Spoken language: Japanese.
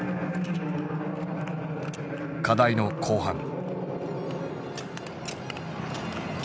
課題の後半。